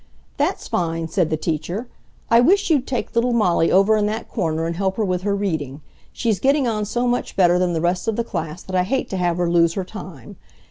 "That's fine," said the teacher. "I wish you'd take little Molly over in that corner and help her with her reading. She's getting on so much better than the rest of the class that I hate to have her lose her time.